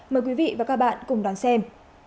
mời quý vị và các bạn cùng đón xem